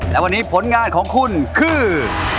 และวันนี้ผลงานของคุณคือ